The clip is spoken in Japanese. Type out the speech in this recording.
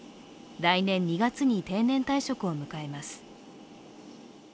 来年２月に定年退職を迎えます。